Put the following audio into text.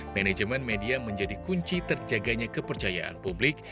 manajemen media menjadi kunci terjaganya kepercayaan publik